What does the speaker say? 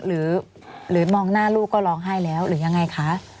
หรือมองหน้าลูกก็ร้องไห้แล้วหรือยังไงคะ